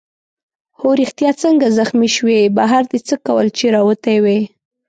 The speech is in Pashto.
هو ریښتیا څنګه زخمي شوې؟ بهر دې څه کول چي راوتی وې؟